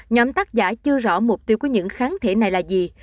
nhóm tác giả chưa rõ mục tiêu của những kháng thể này là gì